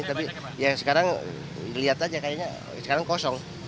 tapi ya sekarang dilihat aja kayaknya sekarang kosong